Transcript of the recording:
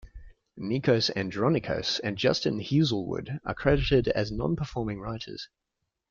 Nikos Andronicos and Justin Heazlewood are credited as non-performing writers.